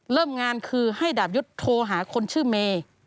เริ่มงานคือให้ดาบยุทธ์โทรหาคนชื่อเมย์